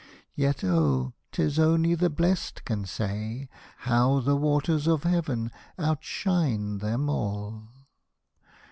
Yet — oh, 'tis only the Blest can say How the waters of Heaven outshine them all